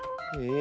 え